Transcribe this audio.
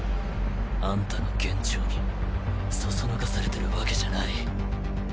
あんたの幻聴にそそのかされてるわけじゃない！